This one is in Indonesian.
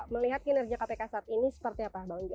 melihat kinerja kpk saat ini seperti apa pak banjo